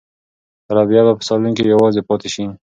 رابعه به په صالون کې یوازې پاتې شي.